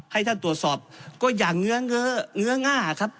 ให้ท่านตรวจสอบก็อย่างเงื้อเง้อเงื้อง่าครับ